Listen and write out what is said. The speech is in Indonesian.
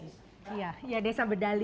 iya desa berdali